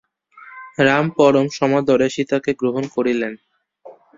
রাম পরম সমাদরে সীতাকে গ্রহণ করিলেন।